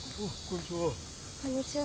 こんにちは。